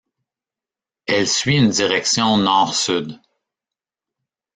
Elle suit une direction nord-sud.